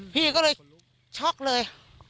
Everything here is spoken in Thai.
พี่ก็เลยช็อกเลย